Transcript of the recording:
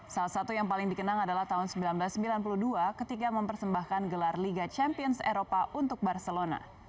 salah satu yang paling dikenang adalah tahun seribu sembilan ratus sembilan puluh dua ketika mempersembahkan gelar liga champions eropa untuk barcelona